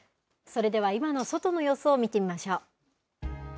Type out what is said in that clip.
それでは今の外の様子を見てみましょう。